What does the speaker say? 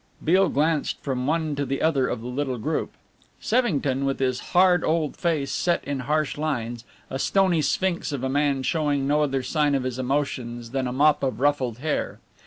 Beale glanced from one to the other of the little group. Sevington, with his hard old face set in harsh lines, a stony sphinx of a man showing no other sign of his emotions than a mop of ruffled hair.